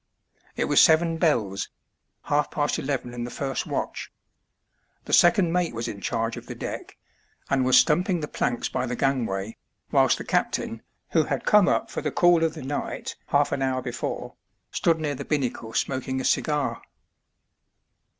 It was seven bells — half past eleven in the first watch. The second mate was in charge of the deck^ and was stamping the planks by the gangway, whilst the captain, who had come up for the cool of the night half an horn* before, stood near the binnacle smoking a cigar.